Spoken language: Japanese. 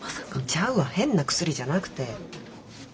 ちゃうわ変な薬じゃなくて。